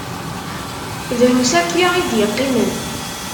Drus akya i d-iqqimen.